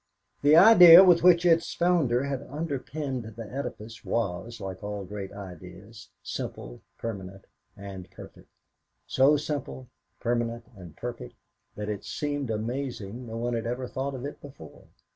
The idea with which its founder had underpinned the edifice was, like all great ideas, simple, permanent, and perfect so simple, permanent, and perfect that it seemed amazing no one had ever thought of it before.